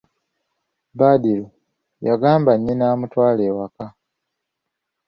Badru, yagamba nnyina amutwale ewaka.